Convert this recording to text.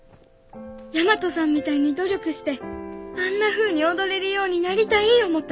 大和さんみたいに努力してあんなふうに踊れるようになりたい思うた